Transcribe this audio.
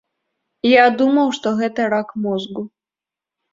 Я думаў, што гэта рак мозгу.